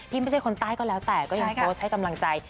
ไม่ใช่คนใต้ก็แล้วแต่ก็ยังโพสต์ให้กำลังใจ